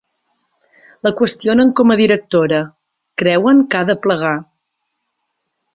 La qüestionen com a directora: creuen que ha de plegar.